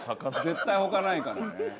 絶対ほかないからね。